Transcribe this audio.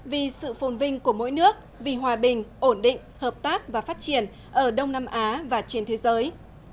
vì sự phồn vinh của mỗi nước vì hòa bình ổn định hợp tác và phát triển ở đông nam á và trên thế giới